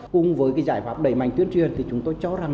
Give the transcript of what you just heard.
cùng với cái giải pháp đầy mạnh tuyên truyền thì chúng tôi cho rằng